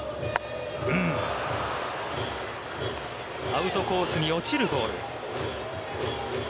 アウトコースに落ちるボール。